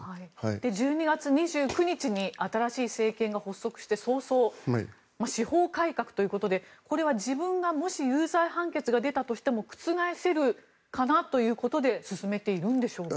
１２月２９日に新しい政権が発足して早々司法改革ということでこれは自分がもし有罪判決が出たとしても覆せるかなということで進めているんでしょうか。